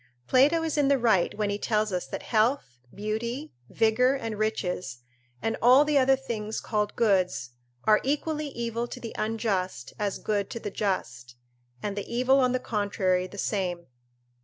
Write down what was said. Plato is in the right when he tells us that health, beauty, vigour, and riches, and all the other things called goods, are equally evil to the unjust as good to the just, and the evil on the contrary the same.